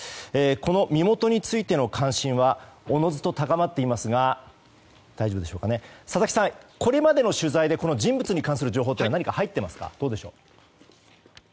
この身元についての関心はおのずと高まっていますが佐々木さん、これまでの取材で人物に関する情報は何か入っていますか。